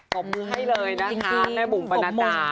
ขอบมือให้เลยนะคะ